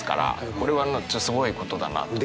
これはすごいことだなと思って。